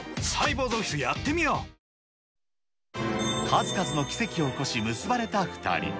数々の奇跡を起こし、結ばれた２人。